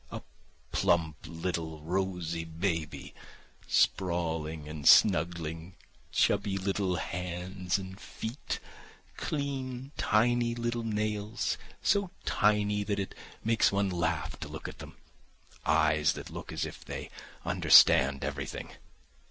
A plump little rosy baby, sprawling and snuggling, chubby little hands and feet, clean tiny little nails, so tiny that it makes one laugh to look at them; eyes that look as if they understand everything.